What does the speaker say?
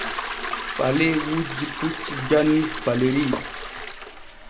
Falee wujjii puccu janni Faleri.